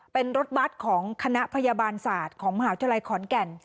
เป็นรถบัตรของคณะพยาบาลศาสตร์ของมหาวิทยาลัยขอนแก่น